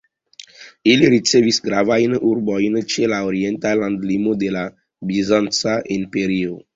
Ili ricevis gravajn urbojn ĉe la orienta landlimo de la Bizanca Imperio.